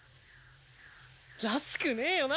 らしくねえよな